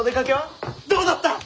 どうだった？